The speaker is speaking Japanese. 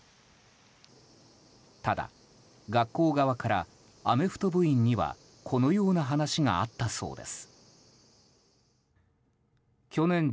ただ、学校側からアメフト部員にはこのような話があったそうです。